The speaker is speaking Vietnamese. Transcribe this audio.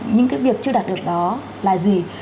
những cái việc chưa đạt được đó là gì